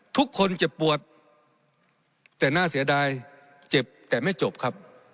ทุกคนเจ็บปวดแต่น่าเสียดายเจ็บแต่ไม่จบครับ